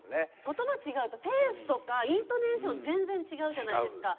言葉違うとペースとかイントネーション全然違うじゃないですか。